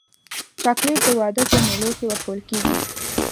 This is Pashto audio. چاکلېټ د واده په مېلو کې ورکول کېږي.